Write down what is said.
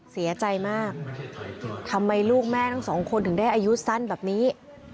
เสียใจมากทำไมลูกแม่ทั้งสองคนถึงได้อายุสั้นแบบนี้